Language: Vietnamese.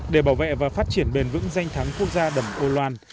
để bảo vệ và phát triển bền vững danh thắng quốc gia đầm âu loan